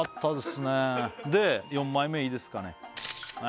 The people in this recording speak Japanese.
４枚目いいですかね